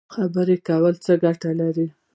خبرې کول څه ګټه لري؟